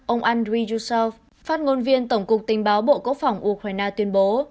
ông andriy yusov phát ngôn viên tổng cục tình báo bộ cốc phòng ukraine tuyên bố